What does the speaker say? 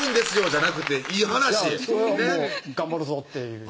じゃなくていい話それは頑張るぞっていう